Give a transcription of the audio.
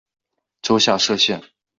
州下设县。